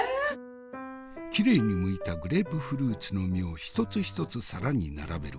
きれいにむいたグレープフルーツの実を一つ一つ皿に並べる。